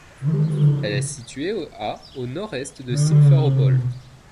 Elle est située à au nord-est de Simferopol.